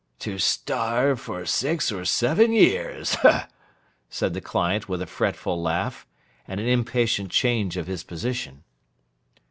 'To starve for six or seven years!' said the client with a fretful laugh, and an impatient change of his position.